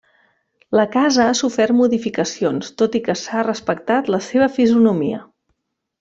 La casa ha sofert modificacions tot i que s'ha respectat la seva fisonomia.